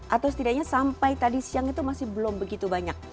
atau setidaknya sampai tadi siang itu masih belum begitu banyak